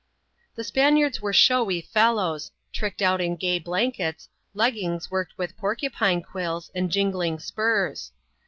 The Spaniards were showy fellows, tricked out in gay blan kets, leggins worked with porcupine quills, and jingling spurs.